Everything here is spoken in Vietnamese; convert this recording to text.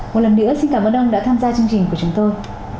một lần nữa xin cảm ơn ông đã tham gia chương trình của chúng tôi